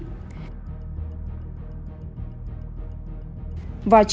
vào chiều cùng ngày mọi người tá hỏa khi phát hiện nạn nhân dưới giếng nước trong khi máy bơm nước vẫn hoạt động